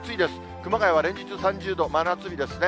熊谷は連日３０度、真夏日ですね。